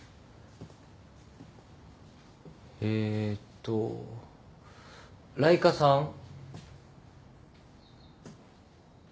えっとライカさん。